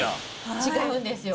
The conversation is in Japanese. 違うんですよ。